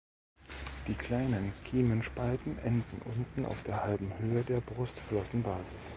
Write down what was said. Die kleinen Kiemenspalten enden unten auf der halben Höhe der Brustflossenbasis.